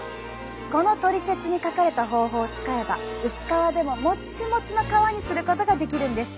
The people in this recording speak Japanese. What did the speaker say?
このトリセツに書かれた方法を使えば薄皮でももっちもちの皮にすることができるんです。